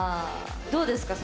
どうですか